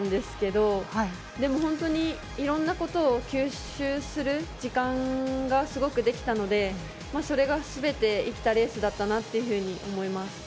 本当にいろんなことを吸収する時間がすごくできたので、それが全て生きたレースだったなと思います。